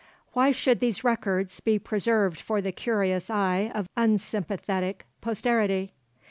Why should these records, be preserved for the curious eye of unsympathetic posterity?